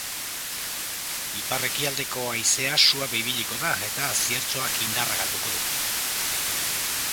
Ipar-ekialdeko haizea suabe ibiliko da eta ziertzoak indarra galduko du.